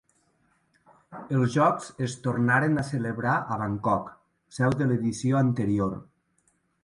Els Jocs es tornaren a celebrar a Bangkok, seu de l'edició anterior.